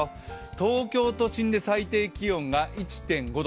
東京都心で最低気温が１．５度。